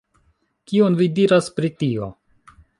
Kion vi diras pri tio?